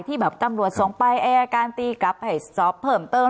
แบบตำรวจส่งไปอายการตีกลับให้สอบเพิ่มเติม